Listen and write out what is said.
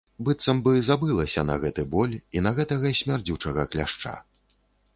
Быццам бы забылася на гэты боль, і на гэтага смярдзючага кляшча.